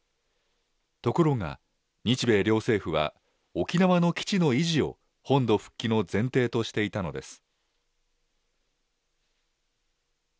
ところが、日米両政府は、沖縄の基地の維持を本土復帰の前提としていたのです。